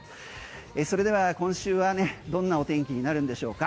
それでは今週はどんなお天気になるんでしょうか